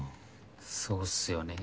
そうっすよね。